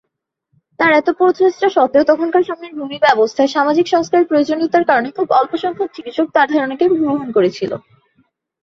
তাঁর এত প্রচেষ্টা সত্ত্বেও তখনকার সময়ের ভূমি ব্যবস্থায় সামাজিক সংস্কারের প্রয়োজনীয়তার কারণে খুব অল্প সংখ্যক চিকিৎসক তাঁর ধারণাকে গ্রহণ করেছিল।